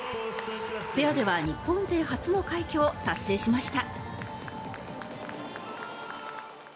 ペアでは日本勢初の快挙を達成しました。